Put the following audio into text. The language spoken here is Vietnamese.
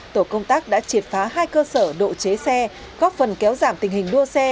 tổ công tác đã triệt phá hai cơ sở độ chế xe góp phần kéo giảm tình hình đua xe